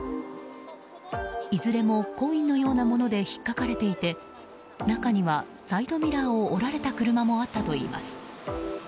いずれもコインのようなものでひっかかれていて中にはサイドミラーを折られた車もあったといいます。